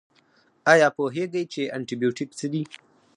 ایا پوهیږئ چې انټي بیوټیک څه دي؟